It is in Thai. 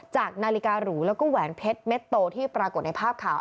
จากนาฬิการูแล้วก็แหวนเพชรเม็ดโตที่ปรากฏในภาพข่าว